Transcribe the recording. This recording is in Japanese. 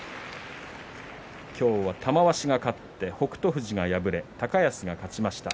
今日は玉鷲が勝って北勝富士が敗れ高安が勝ちました。